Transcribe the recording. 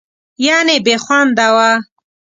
یعنې بېخونده وه.